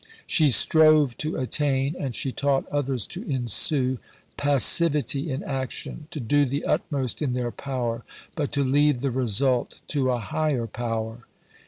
She strove to attain, and she taught others to ensue, passivity in action to do the utmost in their power, but to leave the result to a Higher Power.